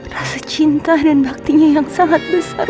rasa cinta dan baktinya yang sangat besar